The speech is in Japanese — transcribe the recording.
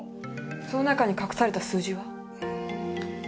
その中に隠された数字は？